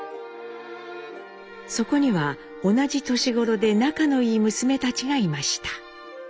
そこには同じ年頃で仲のいい娘たちがいました。